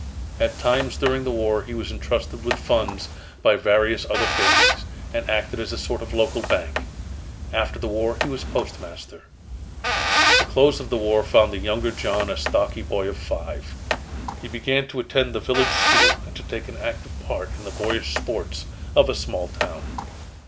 At times during the War, he was entrusted with funds by various other families, and acted as a sort of local bank. After the War he was postmaster. The close of the War found the younger John a stocky boy of five. He began to attend the village school and take an active part in the boyish sports of a small town.